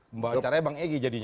membawa acaranya bang egy jadinya